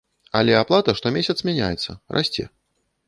Але аплата штомесяц мяняецца, расце.